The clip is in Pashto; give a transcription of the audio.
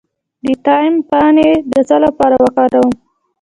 د تایم پاڼې د څه لپاره وکاروم؟